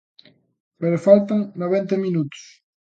Pero faltan noventa minutos.